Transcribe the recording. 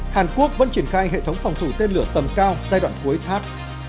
hàn quốc vẫn triển khai hệ thống phòng thủ tên lửa tầm cao giai đoạn cuối thắt